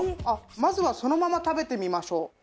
まずはそのまま食べてみましょう。